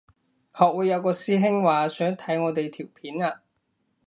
學會有個師兄話想睇我哋條片啊